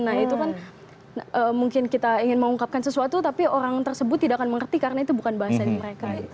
nah itu kan mungkin kita ingin mengungkapkan sesuatu tapi orang tersebut tidak akan mengerti karena itu bukan bahasanya mereka